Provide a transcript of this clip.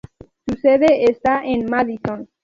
Su sede está en Madison.